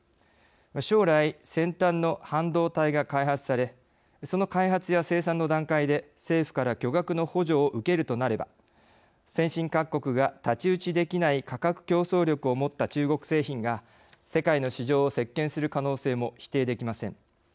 将来先端の半導体が開発されその開発や生産の段階で政府から巨額の補助を受けるとなれば先進各国が太刀打ちできない価格競争力を持った中国製品が世界の市場を席けんする可能性も否定できません。